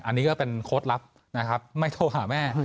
อันนี้ก็เป็นโค้ดลับนะครับไม่โทรหาแม่